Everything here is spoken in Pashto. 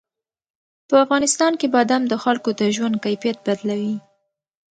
په افغانستان کې بادام د خلکو د ژوند کیفیت بدلوي.